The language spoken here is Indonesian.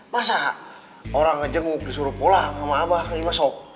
masa orang aja mau disuruh pulang sama abah mau dimasuk